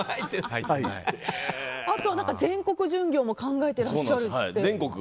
あと全国巡業も考えていらっしゃると。